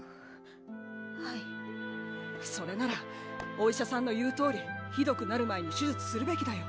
はいそれならお医者さんの言うとおりひどくなる前に手術するべきだよ